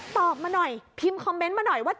ตอบมาหน่อยพิมพ์คอมเมนต์มาหน่อยว่า